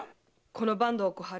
この坂東小春。